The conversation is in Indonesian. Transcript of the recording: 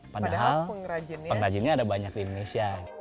padahal pengrajinnya ada banyak di indonesia